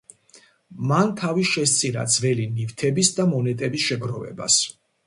მან თავი შესწირა ძველი ნივთების და მონეტების შეგროვებას.